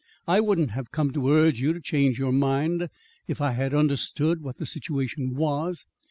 "I wouldn't have come to urge you to change your mind, if I had understood what the situation was.